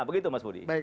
begitu mas budi